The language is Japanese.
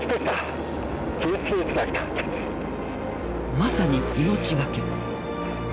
まさに命懸け。